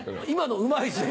今のうまい！